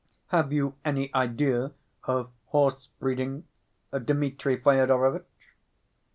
Have you any idea of horse‐breeding, Dmitri Fyodorovitch?"